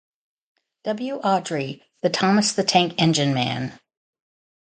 W Awdry ("The Thomas the Tank Engine Man").